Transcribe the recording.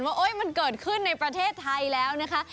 ว่ามันเกิดขึ้นในประเทศไทยแล้วนะคะ